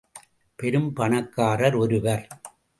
பெரும் பணக்காரர் ஒருவர்.